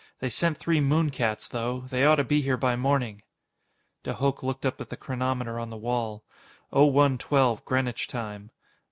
They sent three moon cats, though. They ought to be here by morning." De Hooch looked up at the chronometer on the wall. Oh one twelve, Greenwich time.